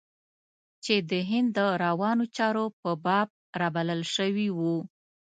چې د هند د روانو چارو په باب رابلل شوی و.